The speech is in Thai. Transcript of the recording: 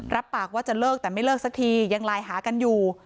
รับปากว่าจะเลิกแต่ไม่เลิกสักทียังไลน์หากันอยู่